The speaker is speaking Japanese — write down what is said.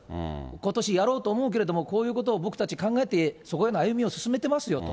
ことしやろうと思うけれども、こういうことを僕たち考えて、そこへの歩みを進めていますよと。